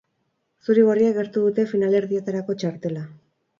Zuri-gorriek gertu dute finalerdietarako txartela.